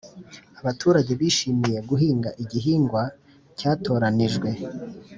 abaturage bishimiye guhinga igihingwa cyatoranijwe